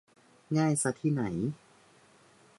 ง่ายซะที่ไหน